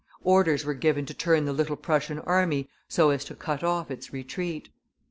Orders were given to turn the little Prussian army, so as to cut off its retreat.